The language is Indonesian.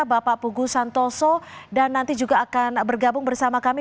bapak pugu santoso dan nanti juga akan bergabung bersama kami